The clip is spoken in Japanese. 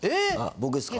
・僕ですか？